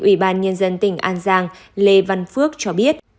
ubnd tỉnh an giang lê văn phước cho biết